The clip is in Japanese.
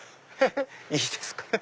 いいですか？